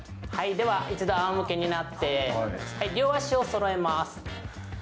では一度あおむけになって、両足をそろえます。